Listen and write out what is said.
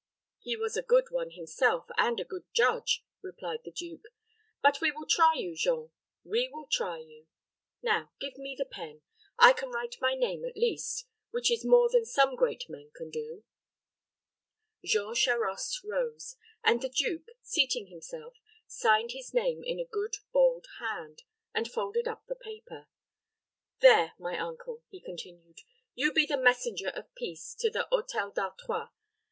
"He was a good one himself, and a good judge," replied the duke. "But we will try you, Jean we will try you. Now give me the pen. I can write my name, at least, which is more than some great men can do." Jean Charost rose, and the duke, seating himself, signed his name in a good bold hand, and folded up the paper. "There, my uncle," he continued, "you be the messenger of peace to the Hôtel d'Artois.